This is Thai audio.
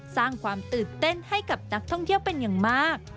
สร้างความตื่นเต้นให้กับนักท่องเที่ยวเป็นอย่างมาก